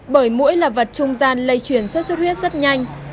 với môi trường sống thuận lợi trong mũi như thế này